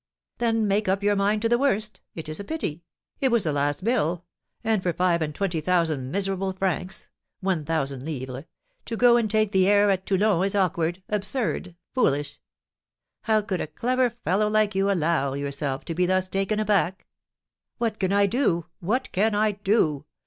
"Then make up your mind to the worst. It is a pity; it was the last bill; and for five and twenty thousand miserable francs (1,000_l._) to go and take the air at Toulon is awkward, absurd, foolish! How could a clever fellow like you allow yourself to be thus taken aback?" "What can I do? What can I do?